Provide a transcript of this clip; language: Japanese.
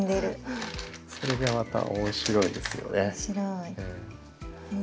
それがまた面白いですよね。